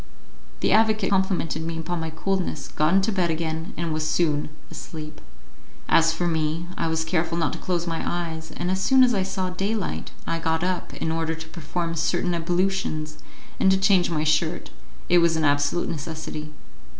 The advocate complimented me upon my coolness, got into bed again, and was soon asleep. As for me, I was careful not to close my eyes, and as soon as I saw daylight I got up in order to perform certain ablutions and to change my shirt; it was an absolute necessity.